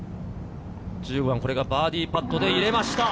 １５番のバーディーパットを入れました。